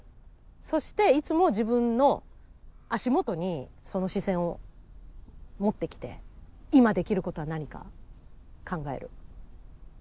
そしていつも自分の足元にその視線を持ってきて今できることは何か考える。